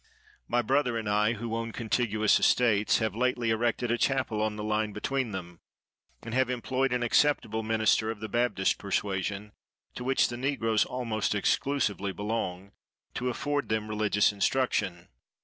My brother and I, who own contiguous estates, have lately erected a chapel on the line between them, and have employed an acceptable minister of the Baptist persuasion, to which the negroes almost exclusively belong, to afford them religious instruction.